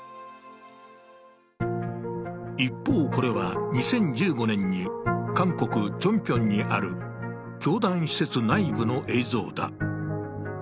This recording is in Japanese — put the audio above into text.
一方、これは２０１５年に韓国・チョンピョンにある教団施設内部の映像だ。